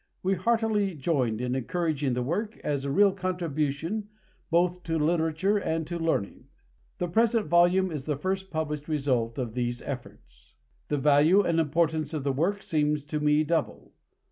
We heartily joined in encouraging the work, as a real contribution both to literature and to learning. The present volume is the first published result of these efforts. The value and importance of the work seems to me double.